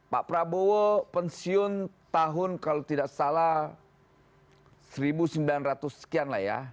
pak prabowo pensiun tahun kalau tidak salah seribu sembilan ratus sekian lah ya